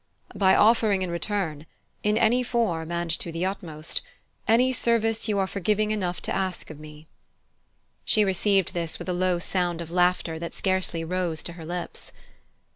"By offering in return in any form, and to the utmost any service you are forgiving enough to ask of me." She received this with a low sound of laughter that scarcely rose to her lips.